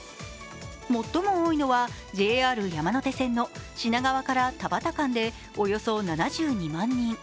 最も多いのはＪＲ山手線の品川から田端間でおよそ７２万人。